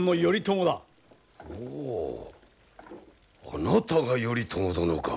あなたが頼朝殿か。